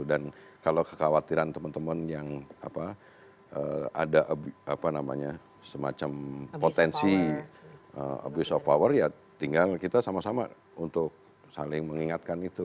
dan kalau kekhawatiran teman teman yang ada semacam potensi abuse of power ya tinggal kita sama sama untuk saling mengingatkan itu